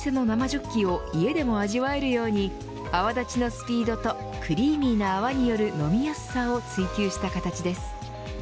ジョッキを家でも味わえるように泡立ちのスピードとクリーミーな泡による飲みやすさを追求した形です。